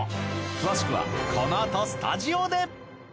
詳しくはこのあとスタジオで。